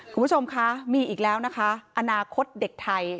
คุณผู้ชมคะมีอีกแล้วนะคะอนาคตเด็กไทย